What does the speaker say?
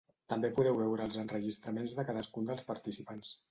També podeu veure els enregistraments de cadascun dels participants.